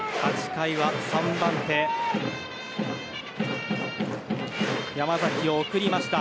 ８回は３番手、山崎を送りました。